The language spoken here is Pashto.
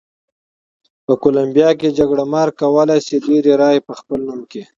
په کولمبیا کې جګړه مار کولای شي ډېرې رایې په خپل نوم کړي.